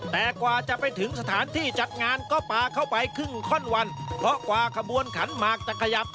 แต่กว่าจะไปถึงสถานที่จัดงานก็ปลาเข้าไปครึ่งข้อนวันเพราะกว่าขบวนขันหมากจะขยับ